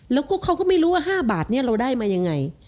แล้วก็เขาก็ไม่รู้ว่า๕บาทนี้เราได้มายังไง